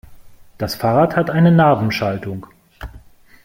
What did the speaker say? Das Fahrrad hat eine Nabenschaltung.